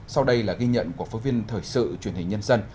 sau đây là ghi nhận của phóng viên thời sự truyền hình nhân dân